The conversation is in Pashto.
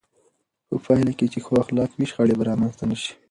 په پایله کې چې ښو اخلاق وي، شخړې به رامنځته نه شي.